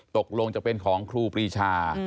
ตกลงจะเป็นของครูปรีชา